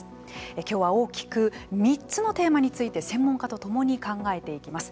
今日は大きく３つのテーマについて専門家と共に考えていきます。